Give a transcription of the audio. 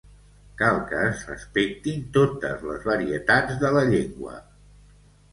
Cal que es respectin totes les varietats de la llengua.